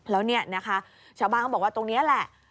แล้วเนี่ยนะคะชาวบ้านเขาบอกว่าตรงนี้แหละ